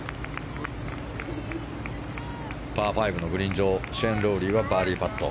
パー５のグリーン上シェーン・ロウリーはバーディーパット。